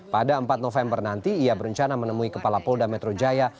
pada empat november nanti ia berencana menemui kepala polda metro jaya